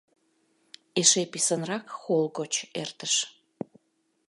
Эше писынрак холл гоч эртыш.